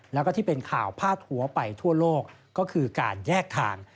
แล้วก็ที่เป็นข่าวพาดหัวไปทั่วโลกก็คือการแยกทาง